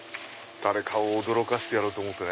誰かを驚かしてやろうと思ってね。